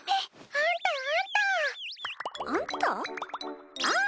あんた！あんた？